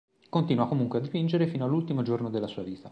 Continua comunque a dipingere fino all'ultimo giorno della sua vita.